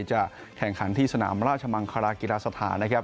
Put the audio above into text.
จะแข่งขันที่สนามราชมังคลากีฬาสถานนะครับ